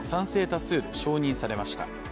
多数で承認されました。